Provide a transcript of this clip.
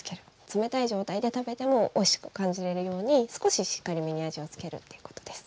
冷たい状態で食べてもおいしく感じれるように少ししっかりめに味を付けるっていうことです。